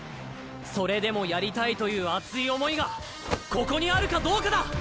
それでもやりたいという熱い思いがここにあるかどうかだ！